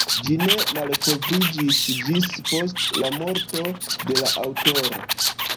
Ĝi ne malkovriĝis ĝis post la morto de la aŭtoro.